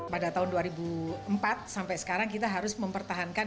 pada tahun dua ribu empat sampai sekarang kita harus mempertahankan